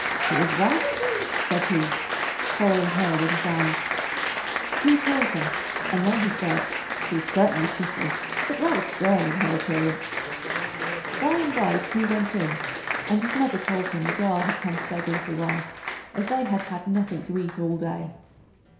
"Who is that?" said he, following her with his eyes. Ku told him, and then he said, "She is certainly pretty, but rather stern in her appearance." By and by Ku went in, and his mother told him the girl had come to beg a little rice, as they had had nothing to eat all day.